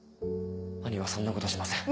兄はそんなことはしません。